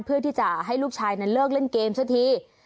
เพื่อที่จะให้ลูกชายนั้นเลิกเล่นเกมสักที